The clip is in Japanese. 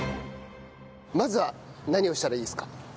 まずは何をしたらいいですか？